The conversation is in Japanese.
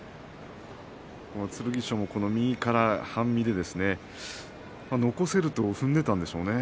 剣翔も右から半身で残せると踏んでいたんでしょうね。